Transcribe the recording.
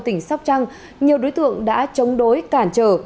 tỉnh sóc trăng nhiều đối tượng đã chống đối cản trở